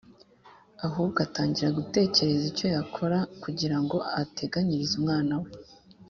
Ahubwo atangira gutekereza icyo yakora kugira ngo ateganyirize umwana we.